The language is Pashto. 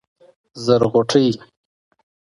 زرغوټۍ